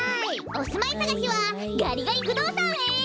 おすまいさがしはガリガリ不動産へ！